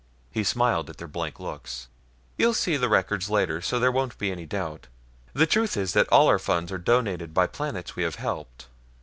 He smiled at their blank looks. "You'll see the records later so there won't be any doubt. The truth is that all our funds are donated by planets we have helped.